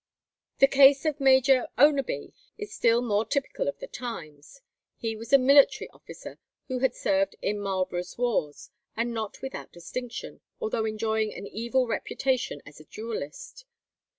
The case of Major Oneby is still more typical of the times. He was a military officer who had served in Marlbro's wars, and not without distinction, although enjoying an evil reputation as a duellist.